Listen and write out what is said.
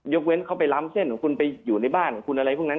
เว้นเขาไปล้ำเส้นของคุณไปอยู่ในบ้านของคุณอะไรพวกนั้น